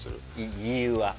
理由は？